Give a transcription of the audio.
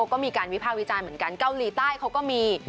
ก็มีการวิภาควิจารณ์เหมือนกันเกาหลีใต้เขาก็มี